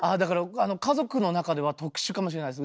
家族の中では特殊かもしれないです。